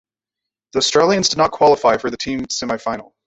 The Australians did not qualify for the team semifinal.